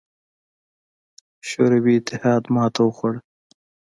شوروي اتحاد ماتې وخوړه.